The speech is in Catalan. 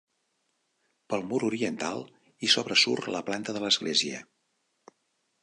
Pel mur oriental hi sobresurt la planta de l'església.